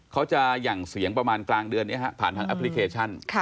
จะหยั่งเสียงประมาณกลางเดือนนี้ผ่านทางแอปพลิเคชัน